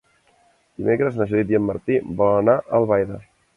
Dimecres na Judit i en Martí volen anar a Albaida.